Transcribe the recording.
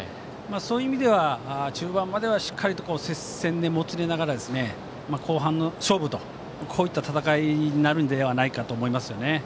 そういう意味では、中盤まではしっかりと接戦にもつれながら後半の勝負といった戦いになるのではないかと思います。